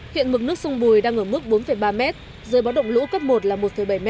hiện mực nước sông bùi đang ở mức bốn ba m dưới báo động lũ cấp một là một bảy m